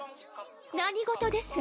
・何事です？